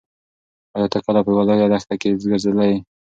ایا ته کله په یوه لویه دښته کې ګرځېدلی یې؟